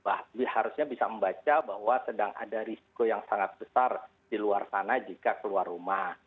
bahkan harusnya bisa membaca bahwa sedang ada risiko yang sangat besar di luar sana jika keluar rumah